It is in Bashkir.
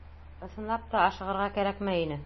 Ысынлап та, ашығырға кәрәкмәй ине.